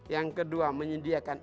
yang kedua menyediakan